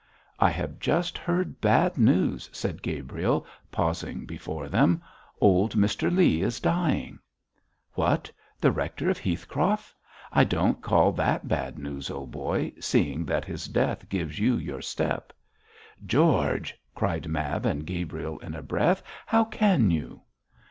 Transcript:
'I have just heard bad news,' said Gabriel, pausing before them. 'Old Mr Leigh is dying.' 'What! the rector of Heathcroft? I don't call that bad news, old boy, seeing that his death gives you your step.' 'George!' cried Mab and Gabriel in a breath, 'how can you?'